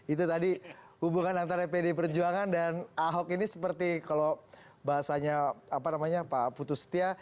itu tadi hubungan antara pd perjuangan dan ahok ini seperti kalau bahasanya apa namanya pak putus setia